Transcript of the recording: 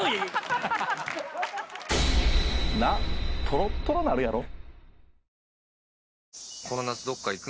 「なっトロットロなるやろ？」